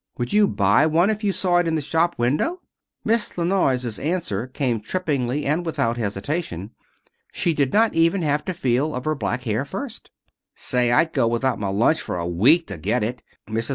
Would you buy one if you saw it in a shop window?" Miss La Noyes' answer came trippingly and without hesitation. She did not even have to feel of her back hair first. "Say, I'd go without my lunch for a week to get it. Mrs.